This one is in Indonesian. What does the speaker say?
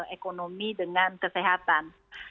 ekonomi dengan kesehatan